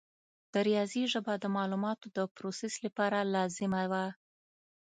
د ریاضي ژبه د معلوماتو د پروسس لپاره لازمه وه.